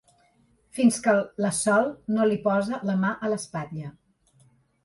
Fins que la Sol no li posa la mà a l'espatlla.